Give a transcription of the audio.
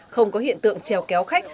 không có hiện tượng treo kéo khách